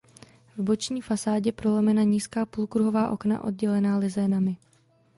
V boční fasádě prolomena nízká půlkruhová okna oddělená lizénami.